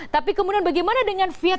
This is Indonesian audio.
tapi kemudian bagaimana dengan pihak